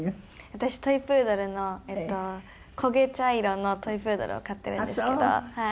私トイプードルのえっと焦げ茶色のトイプードルを飼ってるんですけど。